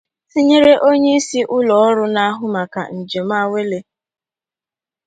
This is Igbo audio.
tinyere onyeisi ụlọọrụ na-ahụ maka njem awele